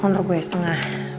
menurut gue setengah